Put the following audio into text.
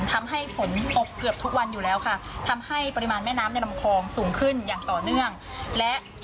แต่ตอนนี้รถไถไม่สามารถสัญจรได้แล้วจะเป็นเรือ๑๐๐ค่ะ